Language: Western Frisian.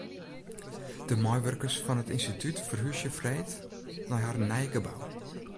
De meiwurkers fan it ynstitút ferhúzje freed nei harren nije gebou.